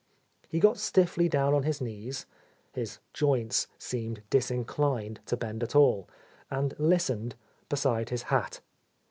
He got stiffly down on his knees, — his joints seemed disinclined to bend at all, — and listened beside his hat.